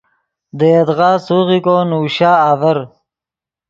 دے یدغا سوغیکو نوشا آڤر